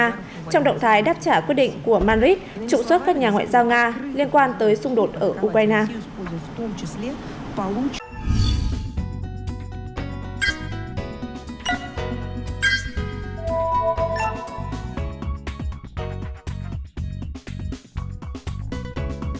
trong động thái đáp trả quyết định của madrid trụng xuất các nhà ngoại giao nga liên quan tới xung đột ở ukraine